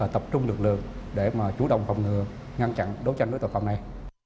tập trung lực lượng để mà chủ động phòng ngừa ngăn chặn đấu tranh với tội phạm này